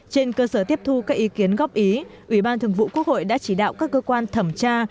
trên cơ sở tiếp thu các ý kiến góp ý ủy ban thường vụ quốc hội đã chỉ đạo các cơ quan thẩm tra